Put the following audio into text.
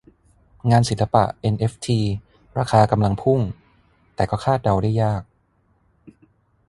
งานศิลปะเอ็นเอฟทีราคากำลังพุ่ง แต่ก็คาดเดาได้ยาก